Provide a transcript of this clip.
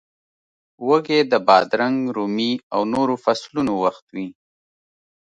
وږی د بادرنګ، رومي او نورو فصلونو وخت وي.